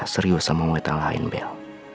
serius sama metal lain bel